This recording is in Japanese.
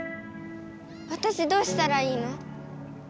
わたしどうしたらいいの？